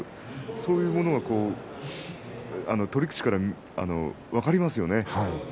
そういうものは取り口から分かりますよね。